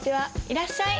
いらっしゃい。